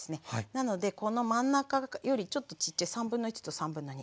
なのでこの真ん中よりちょっとちっちゃい1/3と2/3ぐらいに分けちゃいます。